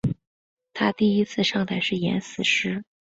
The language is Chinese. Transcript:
她第一次上台是演死尸。